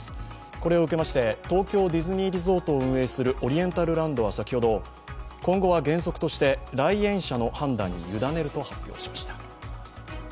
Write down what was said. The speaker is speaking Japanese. これを受けまして東京ディズニーリゾートを運営するオリエンタルランドは先ほど今後は原則として来園者の判断にゆだねると発表しました。